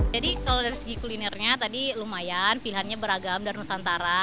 jadi kalau dari segi kulinernya tadi lumayan pilihannya beragam dari nusantara